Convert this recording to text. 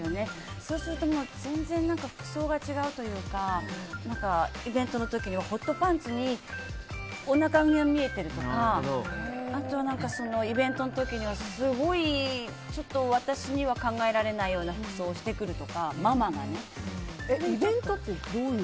そうするともう全然服装が違うというかイベントの時にホットパンツにおなかが見えてるとかあとはイベントの時にはすごい私には考えられないようなイベントってどういう？